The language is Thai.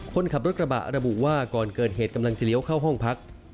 คนขับรถกระบะระบุว่าก่อนเกิดเหตุกำลังจะเลี้ยวเข้าห้องพัก